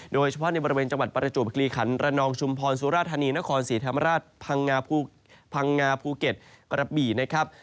โดยเฉพาะในบริเวณประจุบิคลีขันต์หลานองชุมพรสุรทานีนครศรีธรรมราชพังงาภูเก็ตกระบินะครับ